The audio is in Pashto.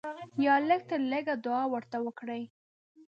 یا لږ تر لږه دعا ورته وکړئ.